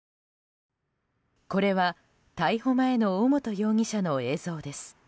これは逮捕前の尾本容疑者の映像です。